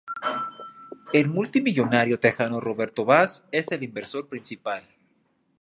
El multimillonario tejano Robert Bass es el inversor principal.